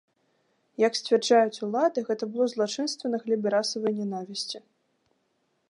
Як сцвярджаюць улады, гэта было злачынства на глебе расавай нянавісці.